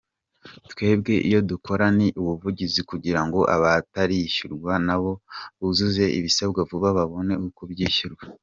Twebwe icyo dukora ni ubuvugizi kugirango abatarishyurwa nabo buzuze ibisabwa vuba babone uko bishyurwa.